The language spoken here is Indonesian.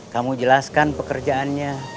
kamu jelaskan pekerjaannya